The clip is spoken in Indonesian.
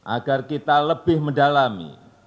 agar kita lebih mendalami